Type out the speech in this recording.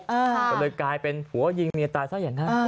ก็เลยกลายเป็นผัวยิงเมียตายซะอย่างนั้น